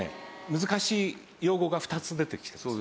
難しい用語が２つ出てきています。